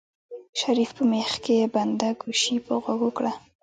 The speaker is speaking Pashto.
شريف په مېخ کې بنده ګوشي په غوږو کړه.